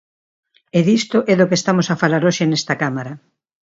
E disto é do que lle estamos a falar hoxe nesta Cámara.